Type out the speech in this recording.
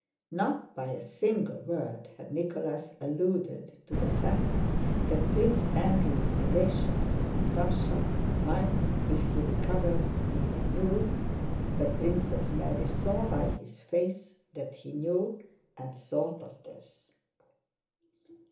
Not by a single word had Nicholas alluded to the fact that Prince Andrew's relations with Natásha might, if he recovered, be renewed, but Princess Mary saw by his face that he knew and thought of this.